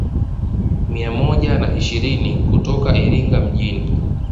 Mia moja na ishirini kutoka Iringa mjini